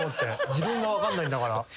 自分が分かんないんだから。